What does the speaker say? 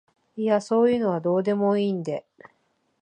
いやそういうのはどうでもいいんで